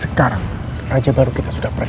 sekarang raja baru kita sudah pernah